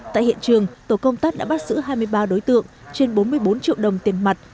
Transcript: tại hiện trường tổ công tác đã bắt giữ hai mươi ba đối tượng trên bốn mươi bốn triệu đồng tiền mặt